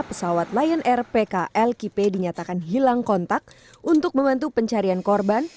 pesawat lion air pklkp dinyatakan hilang kontak untuk membantu pencarian korban